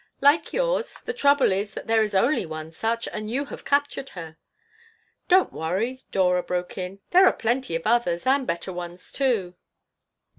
"Like yours! The trouble is that there is only one such, and you have captured her." "Don't worry," Dora broke in. "There are plenty of others, and better ones, too."